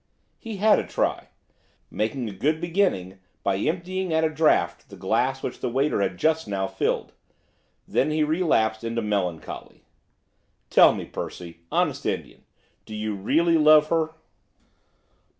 He had a try, making a good beginning by emptying at a draught the glass which the waiter had just now filled. Then he relapsed into melancholy. 'Tell me, Percy, honest Indian! do you really love her?